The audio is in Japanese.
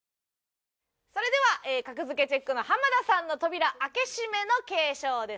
それでは『格付けチェック』の浜田さんの扉開け閉めの継承です。